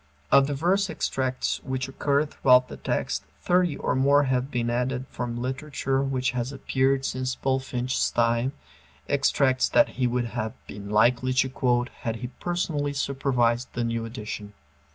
Of the verse extracts which occur throughout the text, thirty or more have been added from literature which has appeared since Bulfinch's time, extracts that he would have been likely to quote had he personally supervised the new edition.